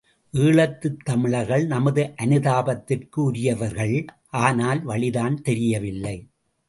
ஈழத்துத் தமிழர்கள் நமது அனுதாபத்திற்கு உரியவர்கள் ஆனால் வழிதான் தெரியவில்லை.